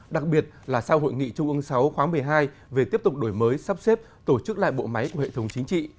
đặc biệt là sau hội nghị trung ương sáu khóa một mươi hai về tiếp tục đổi mới sắp xếp tổ chức lại bộ máy của hệ thống chính trị